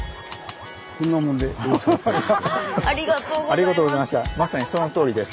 ありがとうございます。